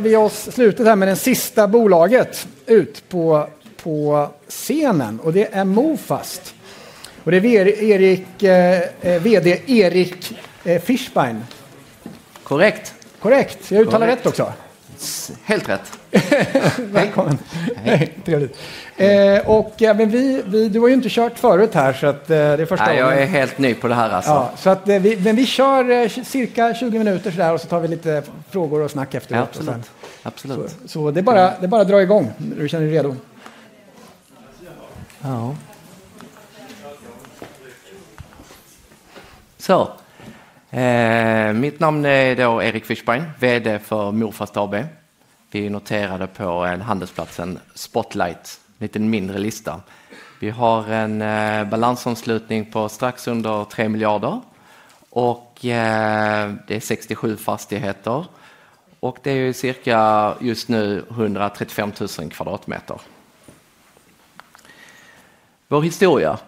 Vi har slutet här med det sista bolaget ut på scenen. Det är Mofast. Och det är VD Erik Fischbein. Korrekt. Ska jag uttala rätt också? Helt rätt. Välkommen. Trevligt. Och vi. Du har ju inte kört förut här, så att det är första gången. Jag är helt ny på det här. Men vi kör cirka 20 minuter så där och så tar vi lite frågor och snack efteråt. Absolutely. Så det är bara att dra igång. Du känner dig redo? Ja. Så mitt namn är då Erik Fischbein, VD för Mofast AB. Vi är noterade på handelsbörsen Spotlight, en liten mindre lista. Vi har en balansomslutning på strax under 3 miljarder. Det är 67 fastigheter. Det är cirka just nu 135 000 kvadratmeter. Vår historia.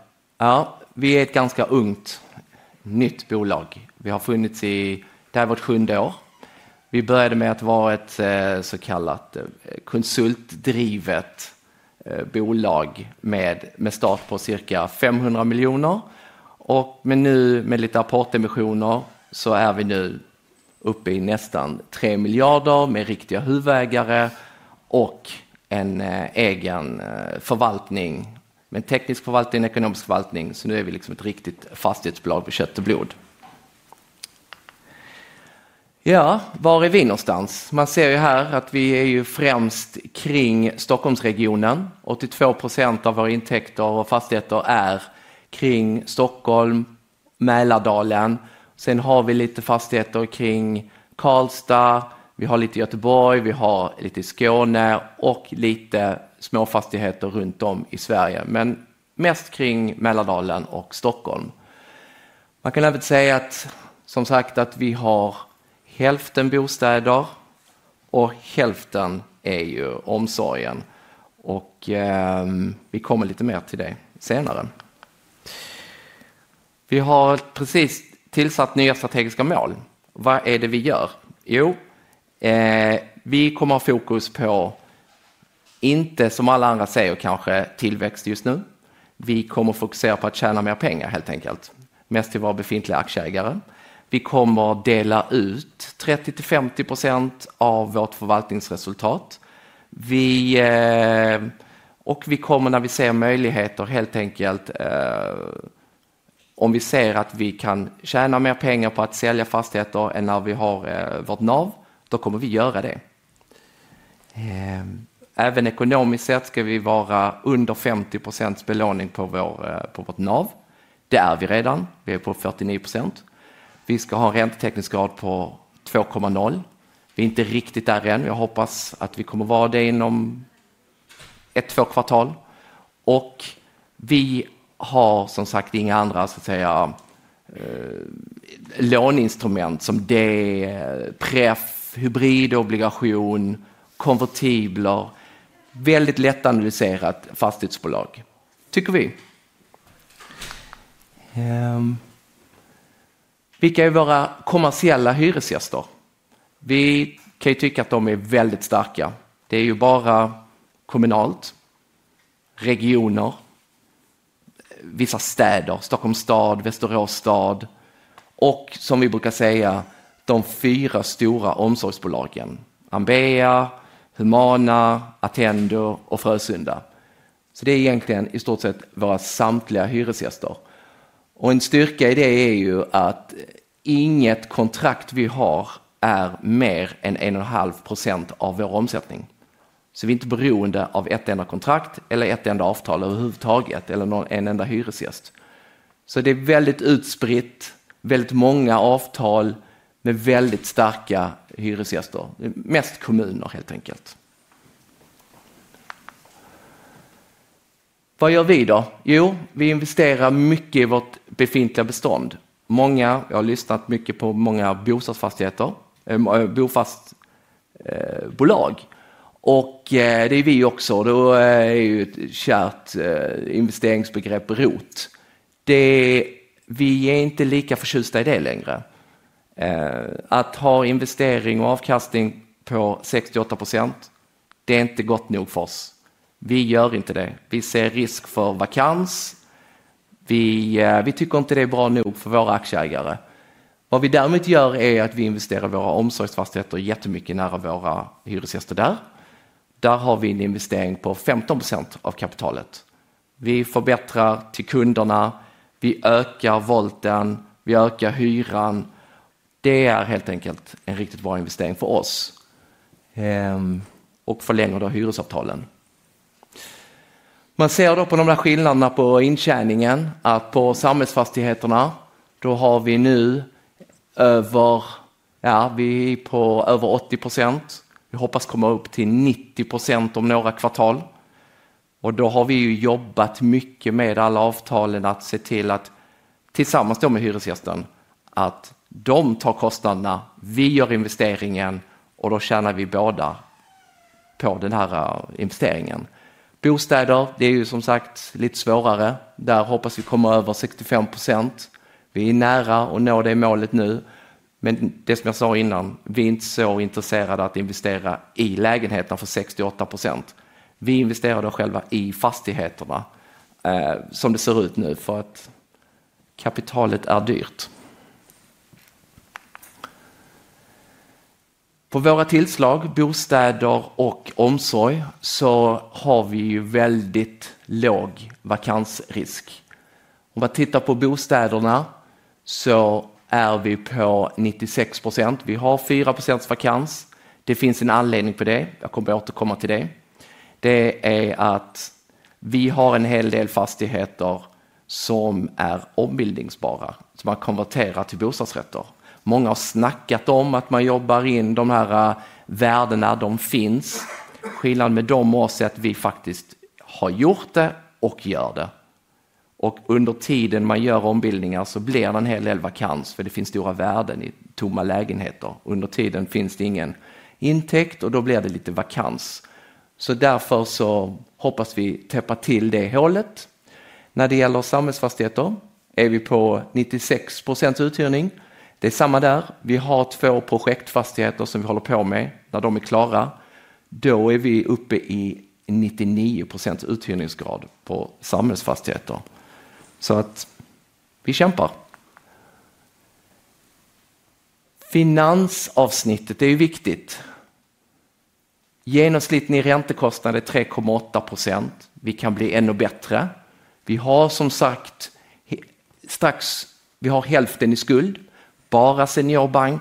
Vi är ett ganska ungt nytt bolag. Vi har funnits i, det här är vårt sjunde år. Vi började med att vara ett så kallat konsultdrivet bolag med start på cirka 500 miljoner. Men nu med lite nyemissioner så är vi nu uppe i nästan 3 miljarder med riktiga huvudägare och en egen förvaltning. Med en teknisk förvaltning och en ekonomisk förvaltning. Nu är vi ett riktigt fastighetsbolag med kött och blod. Var är vi någonstans? Man ser här att vi är främst kring Stockholmsregionen. 82% av våra intäkter och fastigheter är kring Stockholm, Mälardalen. Sen har vi lite fastigheter kring Karlstad, vi har lite i Göteborg, vi har lite i Skåne och lite små fastigheter runt om i Sverige. Men mest kring Mälardalen och Stockholm. Man kan även säga att vi har hälften bostäder och hälften är omsorgen. Vi kommer lite mer till det senare. Vi har precis tillsatt nya strategiska mål. Vad är det vi gör? Vi kommer ha fokus på, inte som alla andra säger kanske, tillväxt just nu. Vi kommer fokusera på att tjäna mer pengar helt enkelt. Mest till våra befintliga aktieägare. Vi kommer dela ut 30-50% av vårt förvaltningsresultat. Vi kommer, när vi ser möjligheter helt enkelt, om vi ser att vi kan tjäna mer pengar på att sälja fastigheter än när vi har vårt NAV, då kommer vi göra det. Ekonomiskt sett ska vi vara under 50% belåning på vårt NAV. Det är vi redan. Vi är på 49%. Vi ska ha en räntetäckningsgrad på 2,0. Vi är inte riktigt där än. Jag hoppas att vi kommer vara det inom ett två kvartal. Vi har som sagt inga andra så att säga låneinstrument som det är preferensaktier, hybridobligationer, konvertibler. Väldigt lättanalyserat fastighetsbolag tycker vi. Vilka är våra kommersiella hyresgäster? Vi kan tycka att de är väldigt starka. Det är bara kommunalt, regioner, vissa städer, Stockholms stad, Västerås stad och som vi brukar säga de fyra stora omsorgsbolagen: Ambea, Humana, Attendo och Frösunda. Det är egentligen i stort sett våra samtliga hyresgäster. En styrka i det är att inget kontrakt vi har är mer än 1,5% av vår omsättning. Vi är inte beroende av ett enda kontrakt eller ett enda avtal överhuvudtaget eller någon enda hyresgäst. Det är väldigt utspritt, väldigt många avtal med väldigt starka hyresgäster. Mest kommuner helt enkelt. Vad gör vi då? Vi investerar mycket i vårt befintliga bestånd. Många, jag har lyssnat mycket på många bostadsfastigheter, bostadsfastighetsbolag. Det är vi också. Då är ett kärt investeringsbegrepp ROT. Det är vi inte lika förtjusta i det längre. Att ha investering och avkastning på 6-8%. Det är inte gott nog för oss. Vi gör inte det. Vi ser risk för vakans. Vi tycker inte det är bra nog för våra aktieägare. Vad vi däremot gör är att vi investerar våra omsorgsfastigheter jättemycket nära våra hyresgäster där. Där har vi en investering på 15% av kapitalet. Vi förbättrar till kunderna. Vi ökar volymen. Vi ökar hyran. Det är helt enkelt en riktigt bra investering för oss. Förlänger då hyresavtalen. Man ser då på de där skillnaderna på intjäningen att på samhällsfastigheterna då har vi nu över, vi är på över 80%. Vi hoppas komma upp till 90% om några kvartal. Då har vi jobbat mycket med alla avtalen att se till att tillsammans då med hyresgästen att de tar kostnaderna, vi gör investeringen och då tjänar vi båda på den här investeringen. Bostäder, det är som sagt lite svårare. Där hoppas vi komma över 65%. Vi är nära att nå det målet nu. Men det som jag sa innan, vi är inte så intresserade av att investera i lägenheter för 6-8%. Vi investerar då själva i fastigheterna, som det ser ut nu för att kapitalet är dyrt. På våra tillgångar, bostäder och omsorg, så har vi väldigt låg vakansrisk. Om man tittar på bostäderna så är vi på 96%. Vi har 4% vakans. Det finns en anledning till det. Jag kommer att återkomma till det. Det är att vi har en hel del fastigheter som är ombildningsbara, som har konverterat till bostadsrätter. Många har snackat om att man jobbar in de här värdena, de finns. Skillnaden med oss är att vi faktiskt har gjort det och gör det. Under tiden man gör ombildningar så blir det en hel del vakans för det finns stora värden i tomma lägenheter. Under tiden finns det ingen intäkt och då blir det lite vakans. Därför så hoppas vi täppa till det hålet. När det gäller samhällsfastigheter är vi på 96% uthyrning. Det är samma där. Vi har två projektfastigheter som vi håller på med. När de är klara, då är vi uppe i 99% uthyrningsgrad på samhällsfastigheter. Vi kämpar. Finansavsnittet är viktigt. Genomsnittlig räntekostnad är 3,8%. Vi kan bli ännu bättre. Vi har som sagt strax, vi har hälften i skuld. Bara banklån.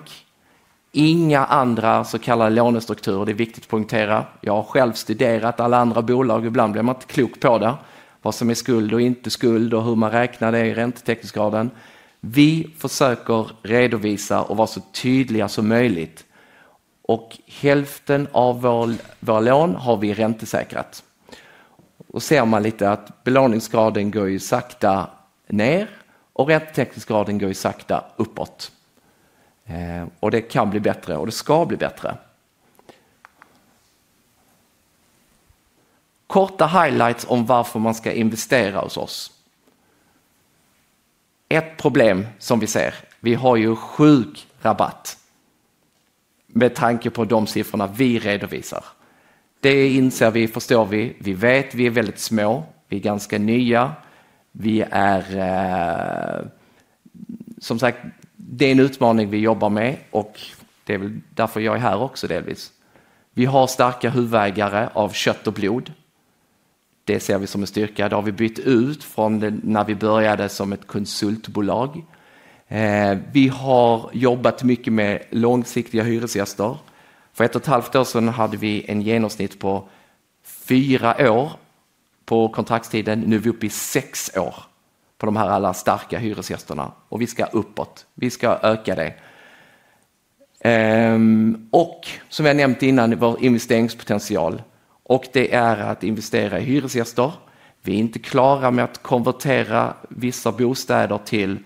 Inga andra så kallade lånestrukturer. Det är viktigt att poängtera. Jag har själv studerat alla andra bolag. Ibland blir man inte klok på det. Vad som är skuld och inte skuld och hur man räknar det i räntetäckningsgraden. Vi försöker redovisa och vara så tydliga som möjligt. Hälften av våra lån har vi räntesäkrat. Ser man lite att belåningsgraden går sakta ner och räntetäckningsgraden går sakta uppåt. Det kan bli bättre och det ska bli bättre. Korta highlights om varför man ska investera hos oss. Ett problem som vi ser. Vi har sjuk rabatt. Med tanke på de siffrorna vi redovisar. Det inser vi, förstår vi. Vi vet att vi är väldigt små. Vi är ganska nya. Det är en utmaning vi jobbar med och det är därför jag är här också delvis. Vi har starka huvudägare av kött och blod. Det ser vi som en styrka. Det har vi bytt ut från när vi började som ett konsultbolag. Vi har jobbat mycket med långsiktiga hyresgäster. För ett och ett halvt år sedan hade vi en genomsnitt på fyra år på kontraktstiden. Nu är vi uppe i sex år på de här alla starka hyresgästerna. Vi ska uppåt. Vi ska öka det. Som jag nämnt innan, vår investeringspotential. Det är att investera i hyresgäster. Vi är inte klara med att konvertera vissa bostäder till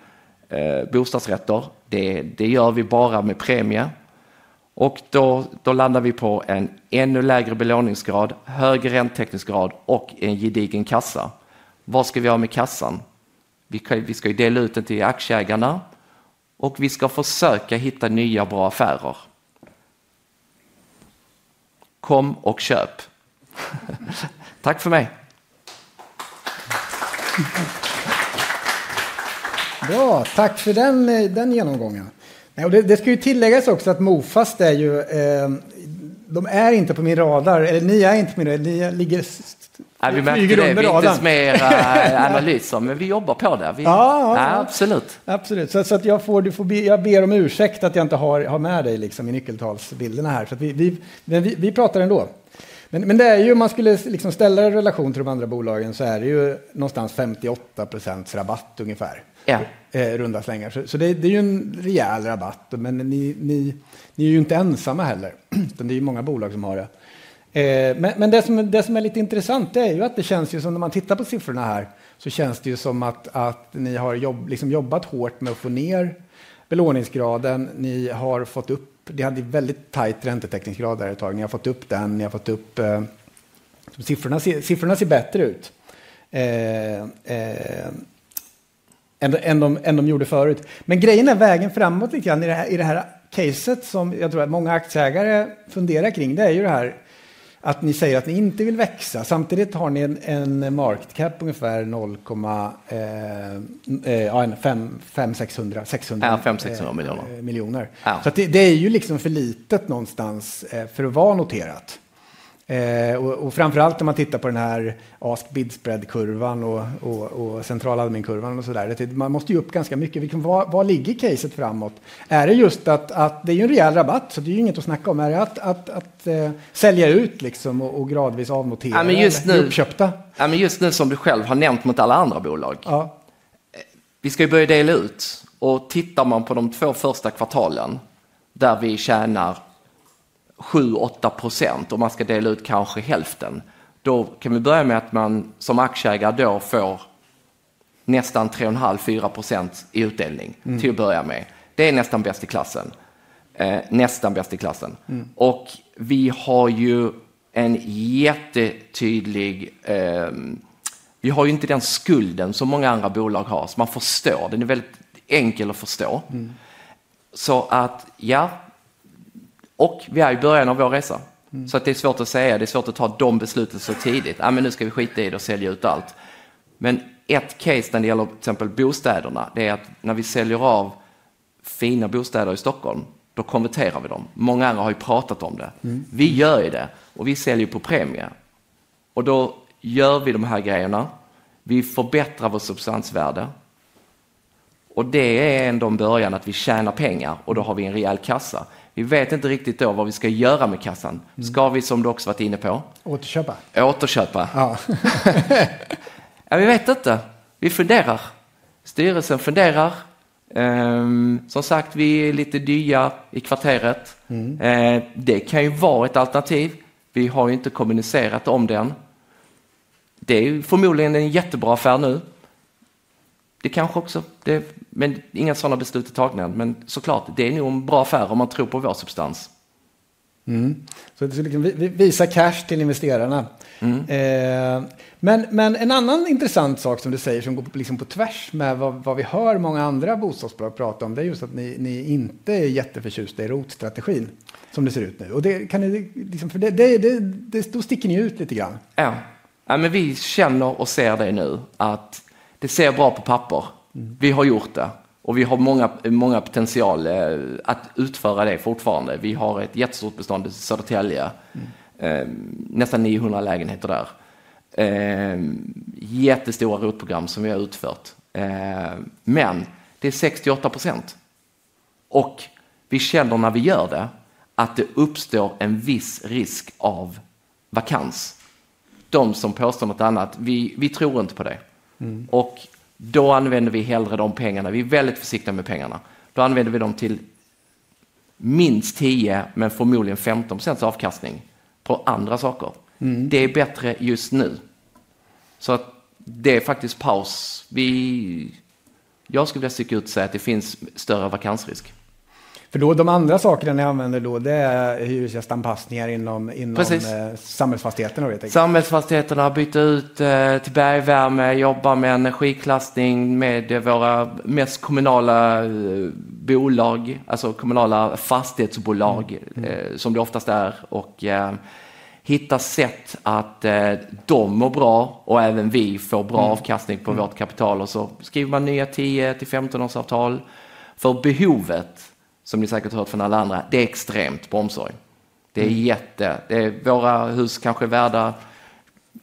bostadsrätter. Det gör vi bara med premie. Då landar vi på en ännu lägre belåningsgrad, högre räntetäckningsgrad och en gedigen kassa. Vad ska vi göra med kassan? Vi ska dela ut den till aktieägarna. Vi ska försöka hitta nya bra affärer. Kom och köp. Tack för mig. Bra, tack för den genomgången. Det ska ju tilläggas också att Mofast är ju, de är inte på min radar. Eller ni är inte på min radar. Vi märker det med analyser. Men vi jobbar på det. Ja, absolut. Absolut. Så att jag får, jag ber om ursäkt att jag inte har med dig i nyckeltalsbilderna här. Vi pratar ändå. Men det är ju, om man skulle ställa det i relation till de andra bolagen så är det ju någonstans 58% rabatt ungefär. Ja, runda slängar. Så det är ju en rejäl rabatt. Men ni är ju inte ensamma heller. Utan det är ju många bolag som har det. Men det som är lite intressant är ju att det känns ju som när man tittar på siffrorna här så känns det ju som att ni har jobbat hårt med att få ner belåningsgraden. Ni har fått upp, ni hade ju väldigt tajt räntetäckningsgrad där ett tag. Ni har fått upp den. Ni har fått upp, siffrorna ser bättre ut än de gjorde förut. Men grejen är vägen framåt lite grann i det här caset som jag tror att många aktieägare funderar kring. Det är ju det här att ni säger att ni inte vill växa. Samtidigt har ni en market cap på ungefär 0,6 miljoner. Ja, 500-600 miljoner. Så det är ju liksom för litet någonstans för att vara noterat. Framförallt när man tittar på den här bid-spread-kurvan och centraladminkurvan och sådär. Man måste ju upp ganska mycket. Vad ligger caset framåt? Det är ju en rejäl rabatt så det är ju inget att snacka om. Är det att sälja ut liksom och gradvis avnotera de köpta? Just nu som du själv har nämnt mot alla andra bolag. Ja, vi ska ju börja dela ut. Tittar man på de två första kvartalen där vi tjänar 7-8% och man ska dela ut kanske hälften, då kan vi börja med att man som aktieägare då får nästan 3,5-4% i utdelning till att börja med. Det är nästan bäst i klassen. Vi har ju en jättetydlig, vi har ju inte den skulden som många andra bolag har. Så man förstår, den är väldigt enkel att förstå. Ja, och vi är i början av vår resa. Det är svårt att säga, det är svårt att ta de besluten så tidigt. Nej, men nu ska vi skita i det och sälja ut allt. Men ett case när det gäller till exempel bostäderna, det är att när vi säljer av fina bostäder i Stockholm, då konverterar vi dem. Många andra har ju pratat om det. Vi gör ju det och vi säljer på premie. Då gör vi de här grejerna. Vi förbättrar vårt substansvärde. Det är en av de början att vi tjänar pengar och då har vi en rejäl kassa. Vi vet inte riktigt då vad vi ska göra med kassan. Ska vi, som du också varit inne på, återköpa? Ja, vi vet inte. Vi funderar. Styrelsen funderar. Som sagt, vi är lite dyra i kvarteret. Det kan ju vara ett alternativ. Vi har ju inte kommunicerat om den. Det är ju förmodligen en jättebra affär nu. Det kanske också. Det är inga sådana beslut är tagna än. Men såklart, det är nog en bra affär om man tror på vår substans. Så det är liksom visa cash till investerarna. Men en annan intressant sak som du säger som går liksom på tvärs med vad vi hör många andra bostadsbolag prata om, det är just att ni inte är jätteförtjusta i rotstrategin som det ser ut nu. Det kan ju, liksom för det sticker ni ut lite grann. Ja, nej men vi känner och ser det nu att det ser bra ut på papper. Vi har gjort det och vi har många, många potential att utföra det fortfarande. Vi har ett jättestort bestånd i Södertälje, nästan 900 lägenheter där, jättestora rotprogram som vi har utfört. Men det är 68%. Vi känner när vi gör det att det uppstår en viss risk av vakans. De som påstår något annat, vi tror inte på det. Då använder vi hellre de pengarna. Vi är väldigt försiktiga med pengarna. Då använder vi dem till minst 10% men förmodligen 15% avkastning på andra saker. Det är bättre just nu. Så att det är faktiskt paus. Jag skulle vilja sticka ut och säga att det finns större vakansrisk. För de andra sakerna ni använder då, det är hyresgästanpassningar inom samhällsfastigheterna? Samhällsfastigheterna, byta ut till bergvärme, jobba med energiklassning med våra mest kommunala bolag, alltså kommunala fastighetsbolag som det oftast är och hitta sätt att de mår bra och även vi får bra avkastning på vårt kapital. Och så skriver man nya 10-15 års avtal för behovet som ni säkert hört från alla andra. Det är extremt på omsorg. Det är jätte, det är våra hus kanske värda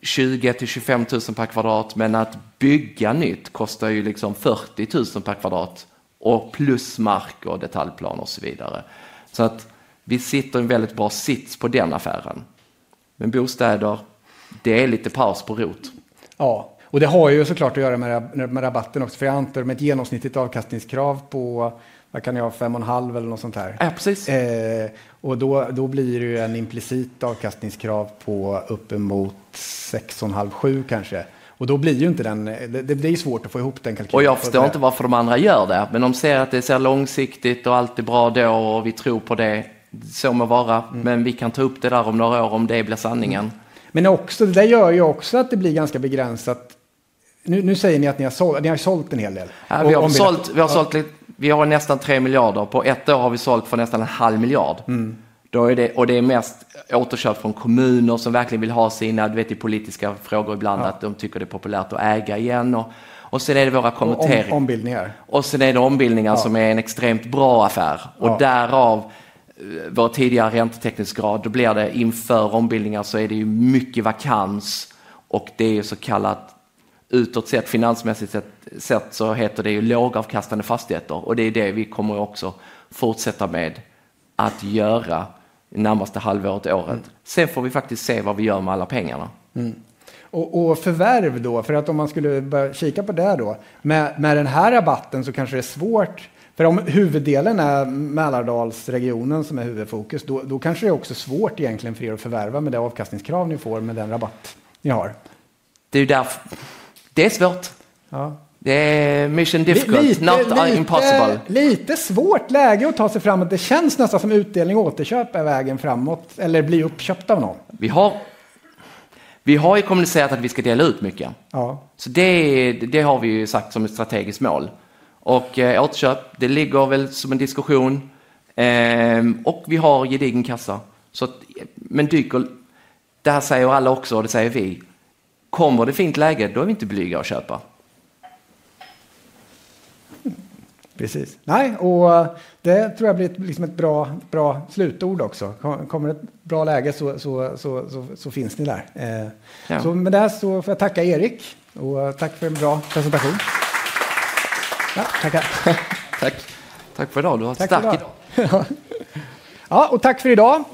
20 000-25 000 kr per kvadrat, men att bygga nytt kostar ju liksom 40 000 kr per kvadrat och plus mark och detaljplan och så vidare. Så att vi sitter i en väldigt bra sits på den affären. Men bostäder, det är lite paus på rot. Ja, och det har ju såklart att göra med rabatten också, för jag antar med ett genomsnittligt avkastningskrav på, vad kan det vara, 5,5% eller något sånt här? Ja, precis. Och då blir det ju en implicit avkastningskrav på uppemot 6,5-7% kanske. Då blir ju inte den, det blir ju svårt att få ihop den kalkylen. Och jag förstår inte varför de andra gör det, men de ser att det är så här långsiktigt och allt är bra då och vi tror på det som må vara. Men vi kan ta upp det där om några år om det blir sanningen. Men också, det där gör ju också att det blir ganska begränsat. Nu säger ni att ni har sålt en hel del. Vi har nästan 3 miljarder. På ett år har vi sålt för nästan en halv miljard. Då är det, och det är mest återköp från kommuner som verkligen vill ha sina, du vet, i politiska frågor ibland att de tycker det är populärt att äga igen. Och sen är det våra konverteringar. Ombildningar. Och sen är det ombildningar som är en extremt bra affär. Och därav vår tidigare räntetäckningsgrad, då blir det inför ombildningar så är det ju mycket vakans. Och det är ju så kallat, utåt sett, finansmässigt sett så heter det ju lågavkastande fastigheter. Och det är det vi kommer ju också fortsätta med att göra i närmaste halvåret, året. Sen får vi faktiskt se vad vi gör med alla pengarna. Och förvärv då, för att om man skulle börja kika på det där då, med den här rabatten så kanske det är svårt. För om huvuddelen är Mälardalsregionen som är huvudfokus, då kanske det är också svårt egentligen för att förvärva med det avkastningskrav ni får med den rabatt ni har. Det är ju därför det är svårt. Ja, det är mission difficult, not impossible. Lite svårt läge att ta sig framåt. Det känns nästan som utdelning och återköp är vägen framåt. Eller bli uppköpt av någon. Vi har ju kommunicerat att vi ska dela ut mycket. Så det har vi ju sagt som ett strategiskt mål. Återköp ligger väl som en diskussion. Vi har gedigen kassa. Men det här säger alla också och det säger vi. Kommer det fint läge, då är vi inte blyga att köpa. Precis. Nej, och det tror jag blir ett bra slutord också. Kommer det ett bra läge så finns ni där. Så med det så får jag tacka Erik. Och tack för en bra presentation. Tackar. Tack. Tack för idag. Ja, och tack för idag.